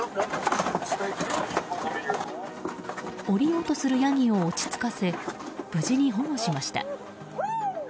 降りようとするヤギを落ち着かせ無事に保護しました。